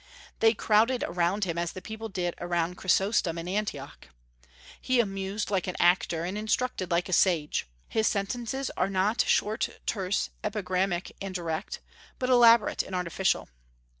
They crowded around him as the people did around Chrysostom in Antioch. He amused like an actor, and instructed like a sage. His sentences are not short, terse, epigrammatic, and direct, but elaborate and artificial.